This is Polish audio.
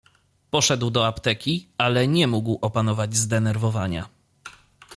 "Poszedł do apteki, ale nie mógł opanować zdenerwowania."